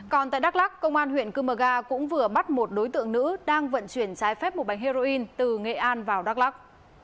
còn tại đắk lắc công an huyện cư mờ ga cũng vừa bắt một đối tượng nữ đang vận chuyển trái phép một bánh heroin từ nghệ an vào đắk lắc